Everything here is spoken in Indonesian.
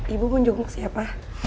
ibu mau jenguk siapa